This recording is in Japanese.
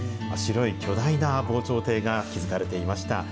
白い巨大な防潮堤が築かれていました。